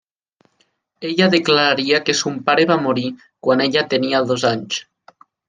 Ella declararia que son pare va morir quan ella tenia dos anys.